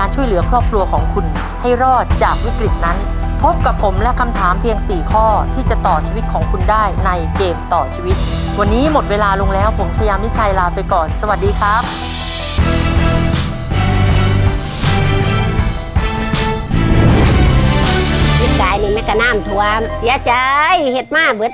เชิญคุณพ่อมาเป็นผู้ช่วยค่ะ